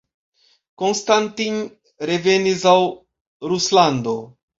Konstantin revenis al Ruslando.